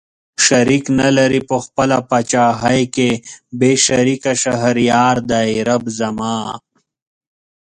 شريک نه لري په خپله پاچاهۍ کې بې شريکه شهريار دئ رب زما